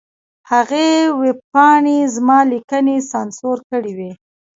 هغې ویبپاڼې زما لیکنې سانسور کړې وې.